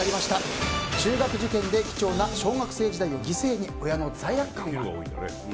中学受験で貴重な小学生時代を犠牲に親の罪悪感は。